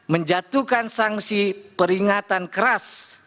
menjatuhkan sanksi peringatan keras